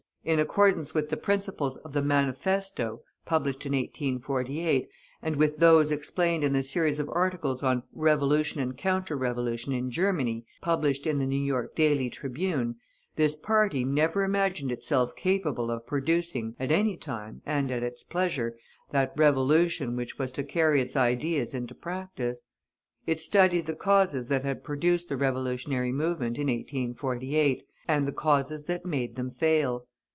In accordance with the principles of the "Manifesto" (published in 1848), and with those explained in the series of articles on "Revolution and Counter Revolution in Germany," published in the New York Daily Tribune, this party never imagined itself capable of producing, at any time and at its pleasure, that revolution which was to carry its ideas into practice. It studied the causes that had produced the revolutionary movement in 1848, and the causes that made them fail.